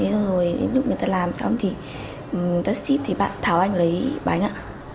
rồi lúc người ta làm xong thì đặt ship thì bạn thảo anh lấy bánh ạ